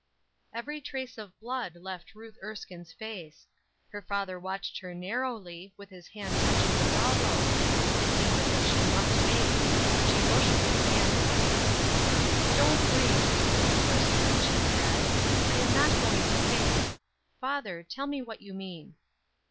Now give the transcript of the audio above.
Every trace of blood left Ruth Erskine's face. Her father watched her narrowly, with his hand touching the bell rope; it seemed as if she must faint; but she motioned his hand away. "Don't ring," were the first words she said; "I am not going to faint. Father, tell me what you mean."